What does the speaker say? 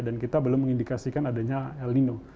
dan kita belum mengindikasikan adanya el nino